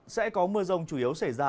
sẽ có mưa rông chủ yếu xảy ra